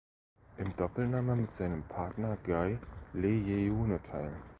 Im Doppel nahm er mit seinem Partner Guy Lejeune teil.